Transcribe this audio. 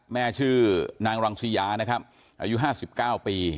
แม่ชื่อนางรังสิยานะครับอายุ๕๙ปี